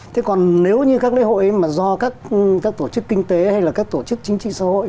thế còn nếu như các lễ hội mà do các tổ chức kinh tế hay là các tổ chức chính trị xã hội